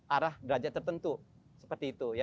arah derajat tertentu seperti itu